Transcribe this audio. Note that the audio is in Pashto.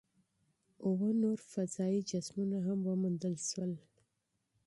اووه نور فضايي جسمونه هم وموندل شول.